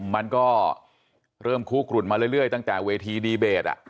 มันก็เริ่มคู่กรุ่นมาเรื่อยตั้งแต่เวทีดีเบต